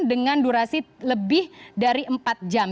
dengan durasi lebih dari empat jam